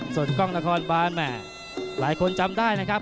ส่วนกล้องนครบานแหมหลายคนจำได้นะครับ